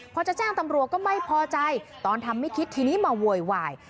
พอจะแจ้งตำรวจก็ไม่พอใจตอนทำไม่คิดทีนี้มาโวยวาย